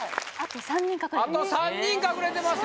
あと３人隠れています